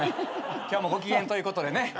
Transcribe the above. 今日もご機嫌ということでね。